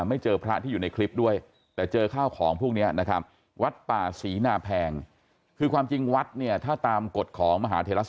ไม่เจอพระที่อยู่ในคลิปด้วยแต่เจอข้าวของพวกนี้นะครับ